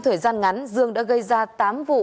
thời gian ngắn dương đã gây ra tám vụ